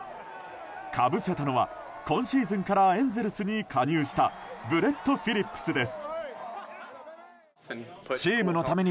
かぶせたのは今シーズンからエンゼルスに加入したブレット・フィリップスです。